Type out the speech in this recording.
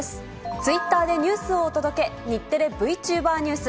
ツイッターでニュースをお届け、日テレＶチューバーニュース。